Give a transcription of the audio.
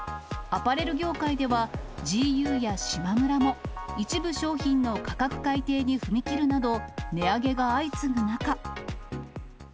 アパレル業界では、ＧＵやしまむらも、一部商品の価格改定に踏み切るなど、値上げが相次ぐ中。